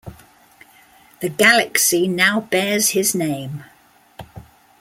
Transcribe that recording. The galaxy now bears his name.